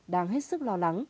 đang hết sức lo lắng